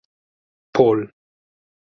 Pol.